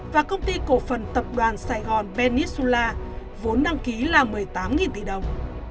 và công ty cổ phần tập đoàn sài gòn benisula vốn đăng ký là một mươi tám tỷ đồng